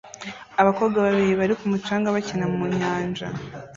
Abakobwa babiri bari ku mucanga bakina mu nyanja